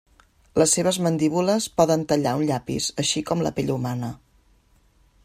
Les seves mandíbules poden tallar un llapis, així com la pell humana.